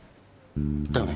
だよね？